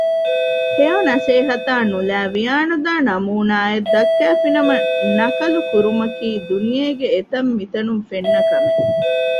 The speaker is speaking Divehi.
ހެޔޮ ނަސޭހަތާ ނުލައި ވިޔާނުދާ ނަމޫނާއެއް ދައްކައިފިނަމަ ނަކަލު ކުރުމަކީ ދުނިޔޭގެ އެތަންމިތަނުން ފެންނަ ކަމެއް